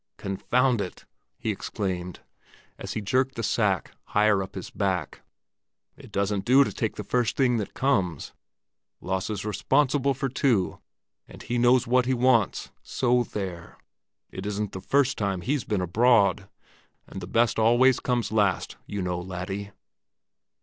"Confound it!" he exclaimed, as he jerked the sack higher up his back. "It doesn't do to take the first thing that comes. Lasse's responsible for two, and he knows what he wants—so there! It isn't the first time he's been abroad! And the best always comes last, you know, laddie."